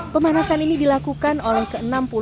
pemanasan ini dilakukan oleh ke enam puluh